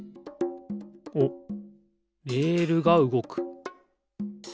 おっレールがうごく。